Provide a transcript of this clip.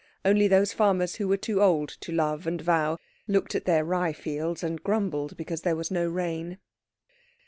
Only those farmers who were too old to love and vow, looked at their rye fields and grumbled because there was no rain.